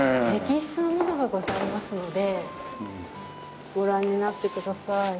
直筆のものがございますのでご覧になってください。